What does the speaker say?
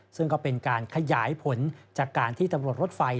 ซึ่งก็เป็นการขยายผลจากการที่ตำรวจรถไฟ